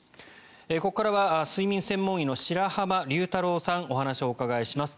ここからは睡眠専門医の白濱龍太郎さんにお話をお伺いします。